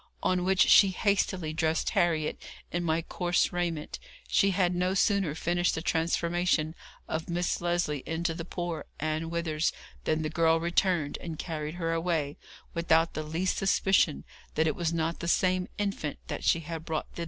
On which she hastily dressed Harriet in my coarse raiment. She had no sooner finished the transformation of Miss Lesley into the poor Ann Withers than the girl returned, and carried her away, without the least suspicion that it was not the same infant that she had brought thither.